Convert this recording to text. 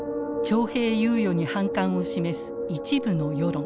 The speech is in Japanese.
徴兵猶予に反感を示す一部の世論。